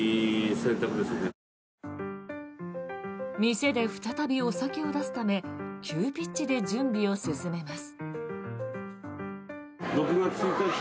店で再びお酒を出すため急ピッチで準備を進めます。